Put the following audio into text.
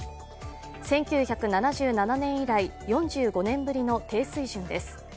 １９７７年以来、４５年ぶりの低水準です